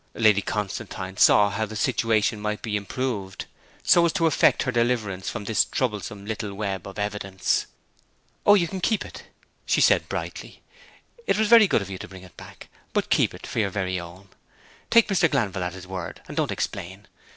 Lady Constantine saw how the situation might be improved so as to effect her deliverance from this troublesome little web of evidence. 'Oh, you can keep it,' she said brightly. 'It was very good of you to bring it back. But keep it for your very own. Take Mr. Glanville at his word, and don't explain.